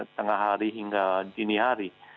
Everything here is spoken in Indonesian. tengah hari hingga dini hari